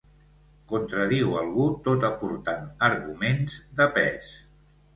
Contradiu algú tot aportant arguments de pes.